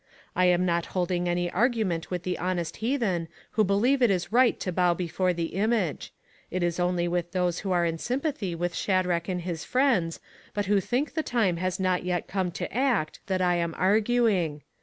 "I am not holding any argument with the honest heathen, who believe it is right to bow before the image ; it is only with those who are in sympathy with Shadrach and his friends, but who think the time has not yet come to act, that I am argu ing.